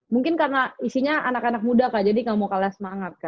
mungkin karena isinya anak anak muda kak jadi gak mau kalah semangat